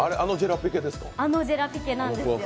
あのジェラピケですか？